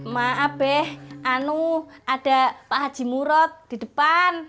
maaf be anu ada pak haji murad di depan